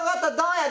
やで。